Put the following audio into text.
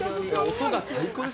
音が最高です。